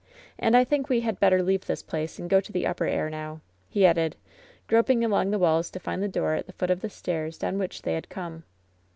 "And I think we had better leave this place and go to the upper air now," he added, groping along the walls to find the door at the foot of the stairs down which they had come.